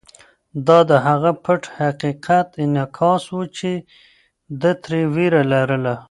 دا د هغه پټ حقیقت انعکاس و چې ده ترې وېره لرله.